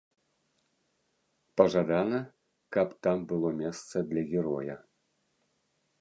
Пажадана, каб там было месца для героя.